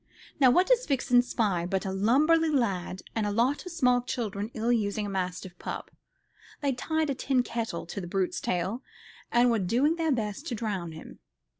Now what does Vixen spy but a lubberly lad and a lot of small children ill using a mastiff pup. They'd tied a tin kettle to the brute's tail, and were doing their best to drown him.